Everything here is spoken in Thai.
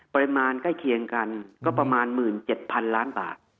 ใกล้เคียงกันก็ประมาณ๑๗๐๐๐ล้านบาท